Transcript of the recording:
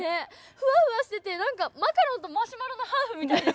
ふわふわしててなんかマカロンとマシュマロのハーフみたいです。